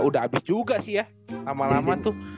udah habis juga sih ya lama lama tuh